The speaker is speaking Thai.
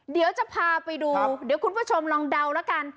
เดี๋ยวจะพาไปดูเดี๋ยวคุณผู้ชมลองเดาแล้วกัน